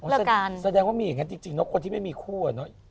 แสดงว่ามีอย่างนั้นจริงคนที่ไม่มีคู่